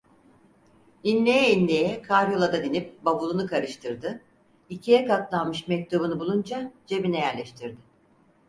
İnleye inleye karyoladan inip bavulunu karıştırdı, ikiye katlanmış mektubunu bulunca cebine yerleştirdi.